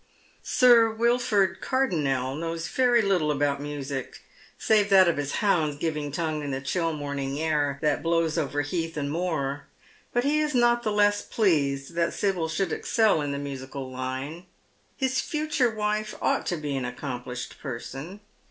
Sir Wilford Cardonnel knows very little about music, save that of his hounds giving tongue in the chill morning air that blows over heath and moor, but he is not the less pleased that Sibyl should excel in the musical line. His future wife ought to be an accomplished person.